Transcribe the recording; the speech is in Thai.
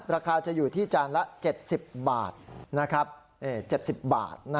ราคาจะอยู่ที่จานละ๗๐บาทนะครับ